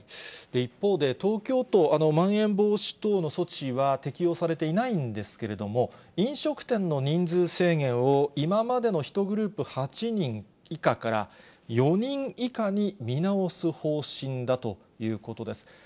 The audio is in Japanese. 一方で、東京都、まん延防止等の措置は適用されていないんですけれども、飲食店の人数制限を今までの１グループ８人以下から、４人以下に見直す方針だということです。